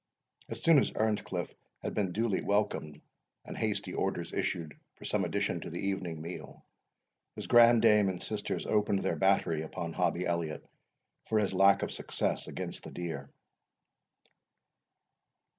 As soon as Earnscliff had been duly welcomed, and hasty orders issued for some addition to the evening meal, his grand dame and sisters opened their battery upon Hobbie Elliot for his lack of success against the deer.